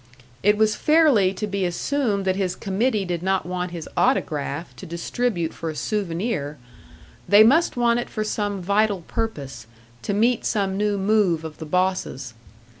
It was fairly to be assumed that his committee did not want his autograph to distribute for a souvenir; they must want it for some vital purpose, to meet some new move of the bosses.